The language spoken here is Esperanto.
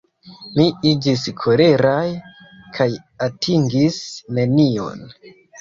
Ni iĝis koleraj kaj atingis nenion.